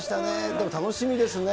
でも楽しみですね。